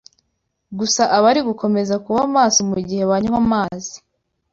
gusa abari gukomeza kuba maso mu gihe banywa amazi.